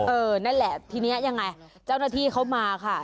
นั่นแหละทีนี้ยังไงเจ้าหน้าที่เขามาค่ะ